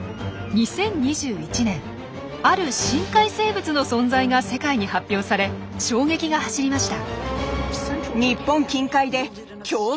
２０２１年ある深海生物の存在が世界に発表され衝撃が走りました。